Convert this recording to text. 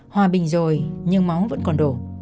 hòa bình rồi nhưng máu vẫn còn đổ